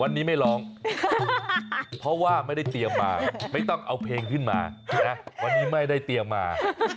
วันนี้ไม่ร้องเพราะว่าไม่ได้เตรียมมาไม่ต้องเอาเพลงขึ้นมา